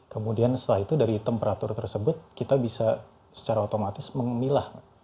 kemudian setelah itu dari temperatur tersebut kita bisa secara otomatis memilah